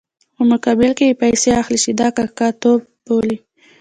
په مقابل کې یې پیسې اخلي چې دا کاکه توب بولي.